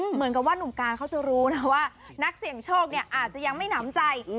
เหมือนกับว่าหนุ่มการเขาจะรู้นะว่านักเสี่ยงโชคเนี่ยอาจจะยังไม่หนำใจ